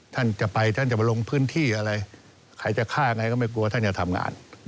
ท่านจะไปจะลงพื้นที่ใครจะฆ่าอย่างไรก็ไม่กลัวท่านอยากทำงาน